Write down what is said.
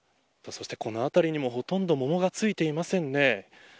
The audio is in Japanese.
そしてこの辺りにも、ほとんど桃がついていませんね。